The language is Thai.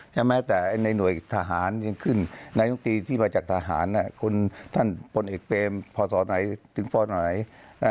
เนี่ยมั้ยแต่ไอ้ในนวยทหารยังขึ้นนายงตรีที่มาจากทหารคุณท่านพลเอกเปมพศไหนถึงพไหน